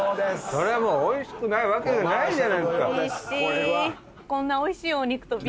それはもうおいしくないわけがないじゃないですか！